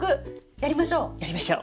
やりましょう。